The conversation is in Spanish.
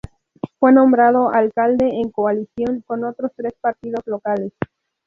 Fue nombrado alcalde en coalición con otros tres partidos locales.